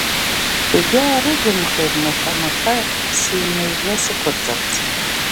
Егьаарыгымхеит маха-маха сеимҿыжәжәа сықәрҵарц.